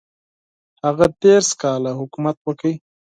هغه دېرش کاله حکومت وکړ.